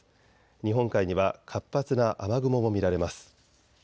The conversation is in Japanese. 日本海には活発な雨雲も見られます。